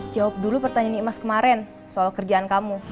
jawab dulu pertanyaan i mas kemaren soal kerjaan kamu